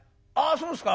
そうですか。